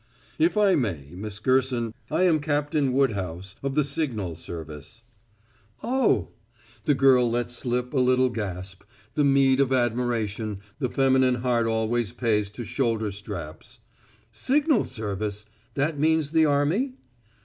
"If I may, Miss Gerson I am Captain Woodhouse, of the signal service." "Oh!" The girl let slip a little gasp the meed of admiration the feminine heart always pays to shoulder straps. "Signal service; that means the army?"